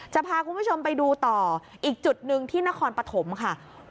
จะพาคุณผู้ชมไปดูต่ออีกจุดหนึ่งที่นครปฐมค่ะ